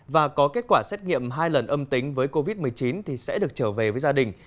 và có kết quả xét nghiệm hai lần âm tính với covid một mươi chín thì sẽ được trở về với gia đình